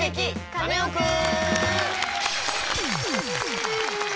カネオくん」。